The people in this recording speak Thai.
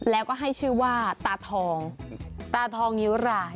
แล้วก็ให้ชื่อว่าตาทองตาทองนิ้วราย